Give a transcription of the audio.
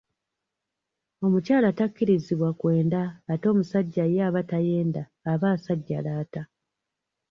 Omukyala takkirizibwa kwenda ate omusajja ye aba tayenda aba asajjalaata.